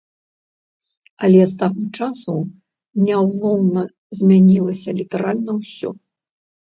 Але з таго часу няўлоўна змянілася літаральна ўсё.